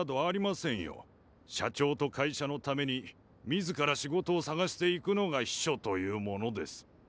社長と会社のために自ら仕事を探していくのが秘書というものです。